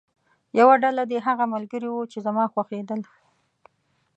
یوه ډله دې هغه ملګري وو چې زما خوښېدل.